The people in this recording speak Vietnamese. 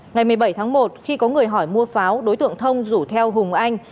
ngày một mươi bảy tháng một khi có người hỏi mua pháo đối tượng thông rủ theo hùng anh